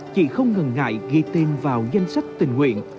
chị không ngừng ngại ghi tên vào danh sách tình nguyện